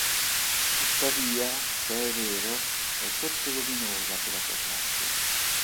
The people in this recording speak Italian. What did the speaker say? Tuttavia, se è vero, è sotto-luminosa per la sua classe.